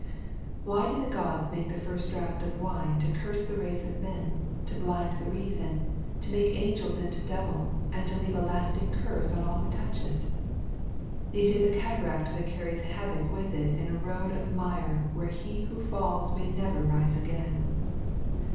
Why did the Gods make the first draught of wine to curse the race of men, to make blind the reason, to make angels into devils and to leave a lasting curse on all who touch it? "It is a cataract that carries havoc with it in a road of mire where he who falls may never rise again."